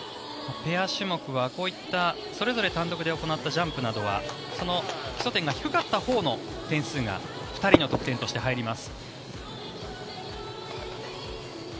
ペア種目はこういったそれぞれ単独で行ったジャンプなどは基礎点が低かったほうの点数が２人の得点として入ります。